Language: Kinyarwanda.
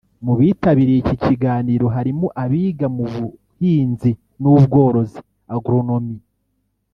Mu bitabiriye iki kiganiro harimo abiga mu buhinzi n’ubworozi (Agronomie)